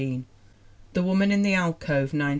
The Woman in the Alcove, 1916.